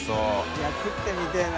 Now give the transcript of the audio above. Αいや食ってみてぇな。